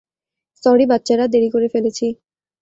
Sorry বাচ্চারা, দেরি করে ফেলেছি।